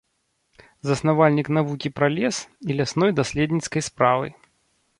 Заснавальнік навукі пра лес і лясной даследніцкай справы.